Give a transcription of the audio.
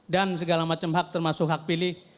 dan segala macam hak termasuk hak pilih